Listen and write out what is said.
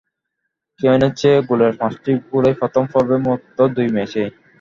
কেইনের ছয় গোলের পাঁচটি গোলই প্রথম পর্বের মাত্র দুই ম্যাচেই।